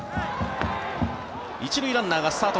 １塁ランナーがスタート。